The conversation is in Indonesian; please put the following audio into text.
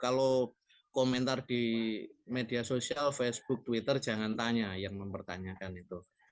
kalau komentar di media sosial facebook twitter jangan tanya yang mempertanyakan itu